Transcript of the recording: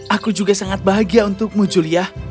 aku juga sangat bahagia untukmu julia